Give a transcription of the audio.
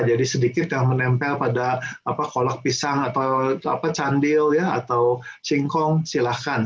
jadi sedikit yang menempel pada kolak pisang atau candil atau singkong silahkan